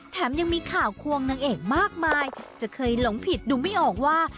ยังมีข่าวควงนางเอกมากมายจะเคยหลงผิดดูไม่ออกว่า